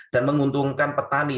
dan menguntungkan petani